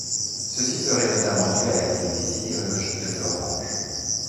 Ceci serait notamment dû à l'activité sidérurgique de Florange.